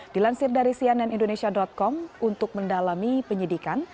dilansir dari cnn indonesia com untuk mendalami penyidikan